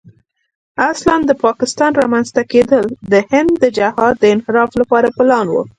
اصلاً د پاکستان رامنځته کېدل د هند د جهاد د انحراف لپاره پلان و.